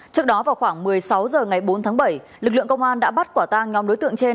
trước đó vào khoảng một mươi sáu h ngày bốn tháng bảy lực lượng công an đã bắt quả tang nhóm đối tượng trên